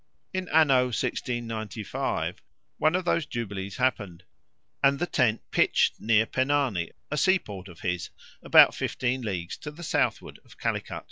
In anno 1695, one of those jubilees happened, and the tent pitched near Pennany, a seaport of his, about fifteen leagues to the southward of Calicut.